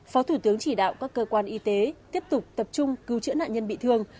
phó thủ tướng chỉ đạo các cơ quan y tế tiếp tục tập trung cứu chữa nạn nhân bị thương